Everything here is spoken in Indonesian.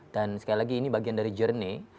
dan sekali lagi ini bagian dari journey